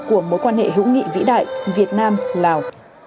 của mối quan hệ hữu nghị vĩ đại việt nam lào